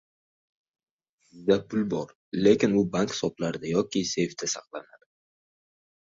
Sizda pul bor, lekin u bank hisoblarida yoki seyfda saqlanadi